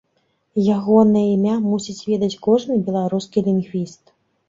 Ягонае імя мусіць ведаць кожны беларускі лінгвіст.